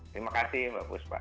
terima kasih mbak fusfa